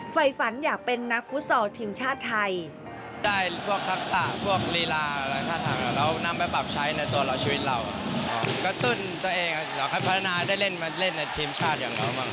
ไฟฝันอยากเป็นนักฟุตซอลทีมชาติไทย